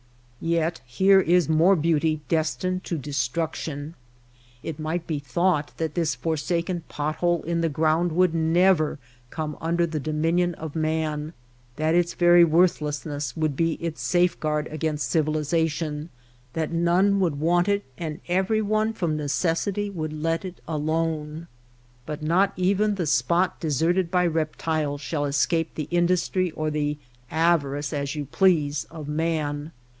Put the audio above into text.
Yet here is more beauty destined to destruc tion. It might be thought that this forsaken pot hole in the ground would never come under the dominion of man, that its very worthlessness would be its safeguard against civilization, that none would want it, and everyone from necessity would let it alone. But not even the spot de serted by reptiles shall escape the industry or the avarice (as you please) of man.